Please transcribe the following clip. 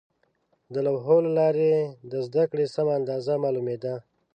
د لوحو له لارې د زده کړې سمه اندازه معلومېده.